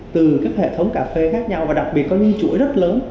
từ các hệ thống cà phê khác nhau và đặc biệt có những chuỗi rất lớn